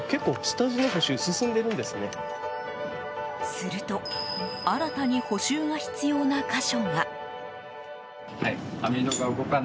すると新たに補修が必要な箇所が。